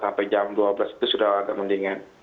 sampai jam dua belas itu sudah agak mendingan